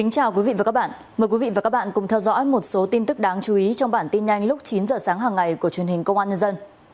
cảm ơn các bạn đã theo dõi và ủng hộ cho bản tin nhanh lúc chín h sáng hàng ngày của truyền hình công an nhân dân